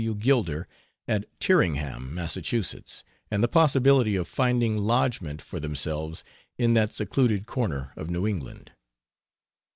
W. Gilder, at Tyringham, Massachusetts, and the possibility of finding lodgment for themselves in that secluded corner of New England.